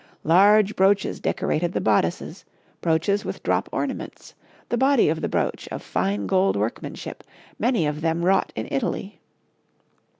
Large brooches decorated the bodices, brooches with drop ornaments, the body of the brooch of fine gold workmanship, many of them wrought in Italy.